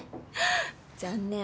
残念。